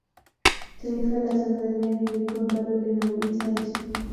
taifa la tanzania lilikuwa bado linamhitaji